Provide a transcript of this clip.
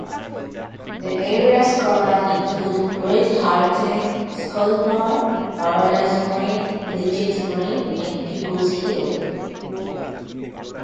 The areas covered include Great Horton, Scholemore, Paradise Green, Lidget Green and Pickles Hill.